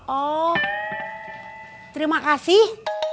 oh terima kasih